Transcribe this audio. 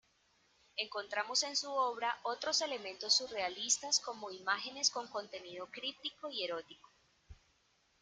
Encontramos en su obra otros elementos surrealistas como imágenes con contenido críptico y erótico.